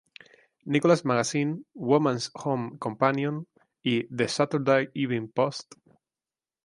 Nicholas Magazine", "Woman's Home Companion" y "The Saturday Evening Post.